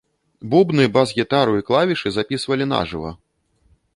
Бубны, бас-гітару і клавішы запісвалі на жыва.